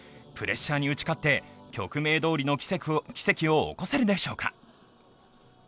プレッシャーに打ち勝って曲名どおりの奇跡を起こせるでしょうか。